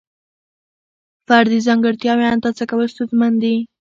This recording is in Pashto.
فردي ځانګړتیاوې اندازه کول ستونزمن دي.